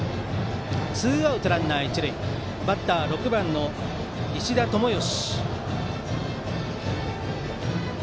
ツーアウトランナー、一塁バッターは６番の石田智能。